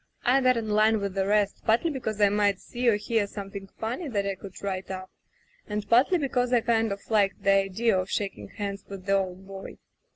I got in line with the rest, partly because I might see or hear something funny that I could write up, and partly because I kind of liked the idea of shaking hands with the old boy.